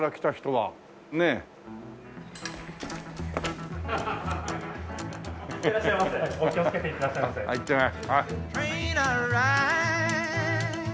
はい。